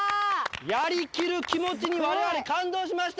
やり切る気持ちにわれわれ感動しました。